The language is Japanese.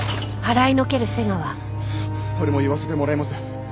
俺も言わせてもらいます。